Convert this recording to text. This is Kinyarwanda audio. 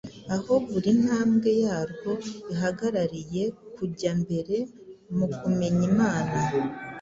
aho buri ntambwe yarwo ihagarariye kujya mbere mu kumenya Imana